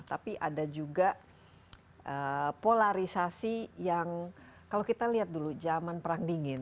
tapi ada juga polarisasi yang kalau kita lihat dulu zaman perang dingin